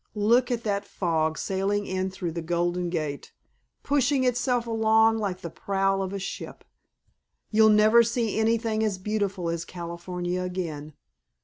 Look at the fog sailing in through the Golden Gate, pushing itself along like the prow of a ship. You'll never see anything as beautiful as California again.